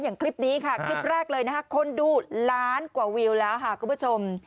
คลิปนี้ค่ะคลิปแรกเลยนะคะคนดูล้านกว่าวิวแล้วค่ะคุณผู้ชม